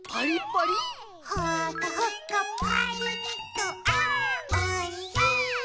「ほかほかパリッとあーおいしい！」